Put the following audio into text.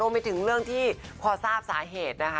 ไปถึงเรื่องที่พอทราบสาเหตุนะคะ